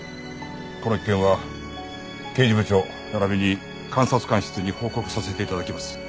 この一件は刑事部長ならびに監察官室に報告させて頂きます。